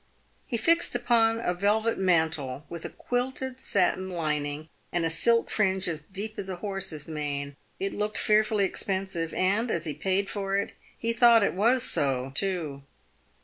He fixed upon a velvet mantle with a quilted satin lining and a silk fringe as deep as a horse's mane. It looked fearfully expensive, and, as he paid for it, he thought it was so, too.